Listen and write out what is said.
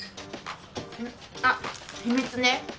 あっ秘密ね